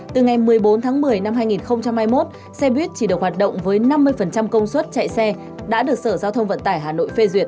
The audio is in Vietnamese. từ ngày một mươi bốn tháng một mươi năm hai nghìn hai mươi một xe buýt chỉ được hoạt động với năm mươi công suất chạy xe đã được sở giao thông vận tải hà nội phê duyệt